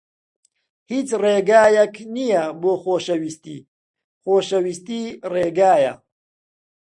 هیچ ڕێگایەک نییە بۆ خۆشەویستی. خۆشەویستی ڕێگایە.